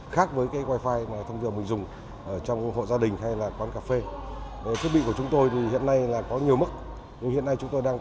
khi đến hà nội